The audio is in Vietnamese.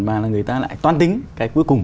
mà người ta lại toan tính cái cuối cùng